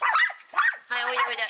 はいおいでおいで。